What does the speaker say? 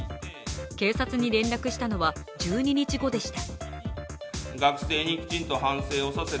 警察に連絡したのは１２日後でした。